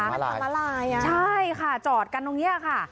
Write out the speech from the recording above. อันนั้นมันทำลายใช่ค่ะจอดกันตรงนี้ค่ะ